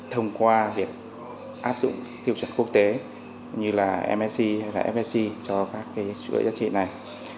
thông qua việc áp dụng tiêu chuẩn quốc tế như là msc hay là fsc cho các chuỗi giá trị này